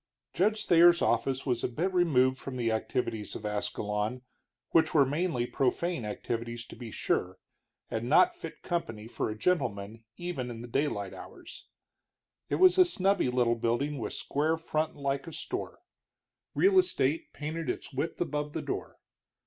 Judge Thayer's office was a bit removed from the activities of Ascalon, which were mainly profane activities, to be sure, and not fit company for a gentleman even in the daylight hours. It was a snubby little building with square front like a store, "Real Estate" painted its width above the door.